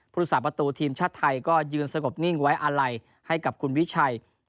สาประตูทีมชาติไทยก็ยืนสงบนิ่งไว้อาลัยให้กับคุณวิชัย